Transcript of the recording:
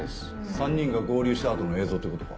３人が合流した後の映像ってことか。